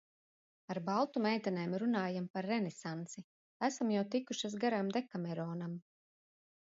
Ar Baltu meitenēm runājam par renesansi, esam jau tikušas garām "Dekameronam".